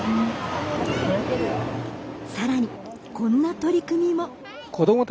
さらに、こんな取り組みも。